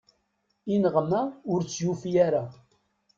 Ineɣma ur tt-yufi ara.